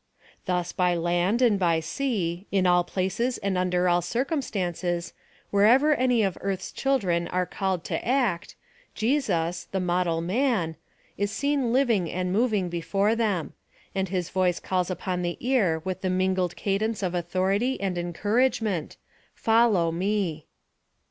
Thus by land and by sea, in all places and under all circumstances, wherever any of earth's children are called to act, Jesus — the mo del man — is seen living and moving before them ; and his voice falls upon their ear with the mingled cadence of authority and encouragement —" FOL LOW ME